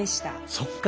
そっか！